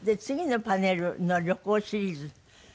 次のパネルの旅行シリーズ。